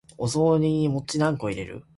お雑煮にお餅何個入れる？